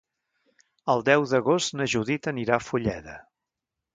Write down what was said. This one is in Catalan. El deu d'agost na Judit anirà a Fulleda.